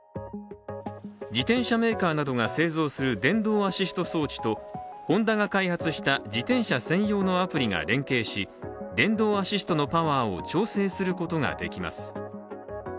自転車メーカーなどが製造する電動アシスト装置と、ホンダが開発した自転車専用のアプリが連携し電動アシストのパワーを調整することができます。